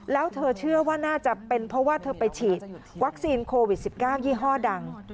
แล้วเธอเชื่อว่าน่าจะเป็นเพราะว่าเธอไปฉีดวัคซีนโควิด๑๙ยี่ห้อดัง